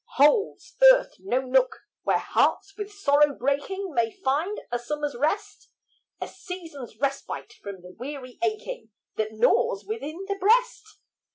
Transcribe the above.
Holds earth no nook, where hearts with sorrow breaking, May find a summer's rest? A season's respite from the weary aching That gnaws within the breast?